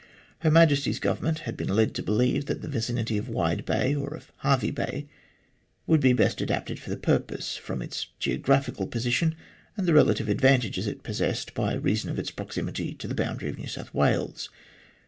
Her Majesty's Government had been led to believe that the vicinity of Wide Bay or of Hervey Bay would be best adapted for the purpose, from its geographical position and the relative advantages it possessed by reason of its proximity to the boundary of New South Wales.